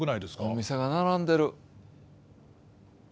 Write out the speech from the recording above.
お店が並んでる。